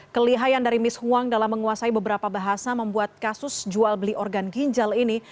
kelihayan dari mis huang dalam menguasai beberapa bahasa membuat kasus jual beli organ ginjal ini